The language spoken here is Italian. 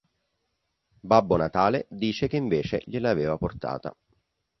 Babbo Natale dice che invece gliel'aveva portata.